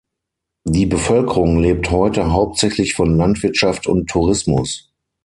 Die Bevölkerung lebt heute hauptsächlich von Landwirtschaft und Tourismus.